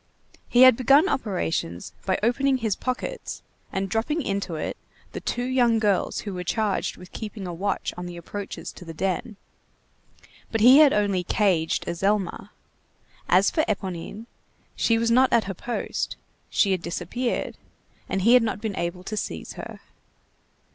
He had begun operations by opening "his pockets," and dropping into it the two young girls who were charged with keeping a watch on the approaches to the den. But he had only "caged" Azelma. As for Éponine, she was not at her post, she had disappeared, and he had not been able to seize her.